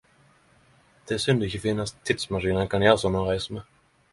Det er synd at det ikkje finst tidsmaskinar ein kan gjere slike reiser med.